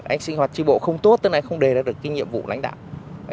anh sinh hoạt tri bộ không tốt tức là anh không đề ra được nhiệm vụ lãnh đảng